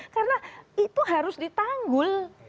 karena itu harus ditanggul